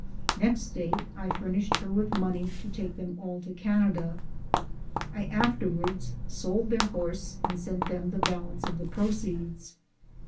Next day, I furnished her with money to take them all to Canada. I afterwards sold their horse, and sent them the balance of the proceeds.